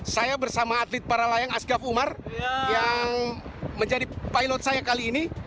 saya bersama atlet para layang asgaf umar yang menjadi pilot saya kali ini